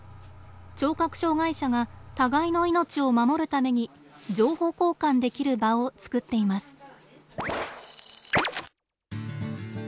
聴覚障害者が互いの命を守るために情報交換できる場を作っています。